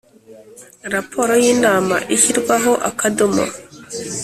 raporo y inama ishyirwaho akadomo